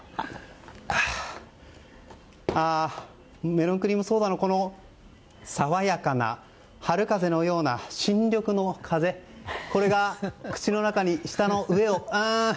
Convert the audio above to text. メロンクリームソーダのこの爽やかな春風のような新緑の風が口の中に、舌の上を、ああ。